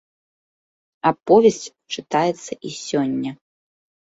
Аповесць чытаецца і сёння.